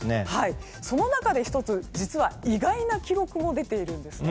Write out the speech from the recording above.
その中で１つ、実は意外な記録も出ているんです。